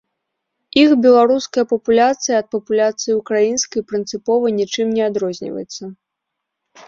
Іх беларуская папуляцыя ад папуляцыі ўкраінскай прынцыпова нічым не адрозніваецца.